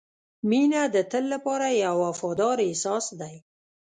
• مینه د تل لپاره یو وفادار احساس دی.